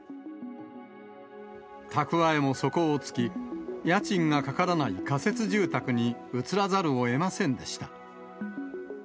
蓄えも底を尽き、家賃がかからない仮設住宅に移らざるをえませんでした。